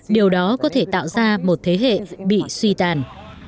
điều đó có thể tạo ra một thế hệ bị suy tàn